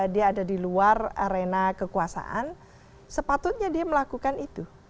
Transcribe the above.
dia ada di luar arena kekuasaan sepatutnya dia melakukan itu